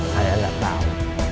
saya gak tau